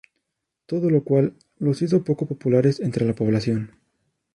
Todo lo cual, los hizo poco populares entre la población.